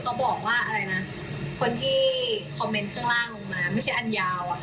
ก็คือแบบคอมเม้นท์ผิดแหล่ะเนาะ